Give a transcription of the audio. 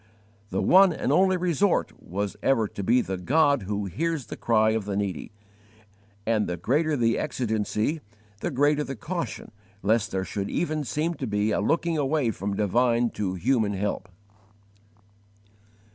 The one and only resort was ever to be the God who hears the cry of the needy; and the greater the exigency, the greater the caution lest there should even seem to be a looking away from divine to human help.